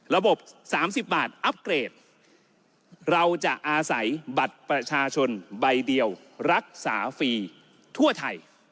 ระบบ๓๐บาทอัพเกรดเราจะอาศัยบัตรประชาชนใบเดียวรักษาฟรีทั่วไทย